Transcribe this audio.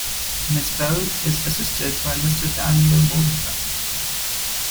Ms. Bell is assisted by Mr. Daniel Modenbach.